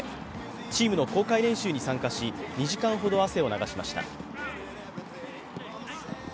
チームの公開練習に参加し２時間ほど汗を流しました。